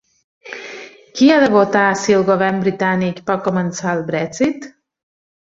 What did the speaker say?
Qui ha de votar si el govern britànic pot començar el Brexit?